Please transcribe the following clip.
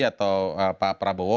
atau pak prabowo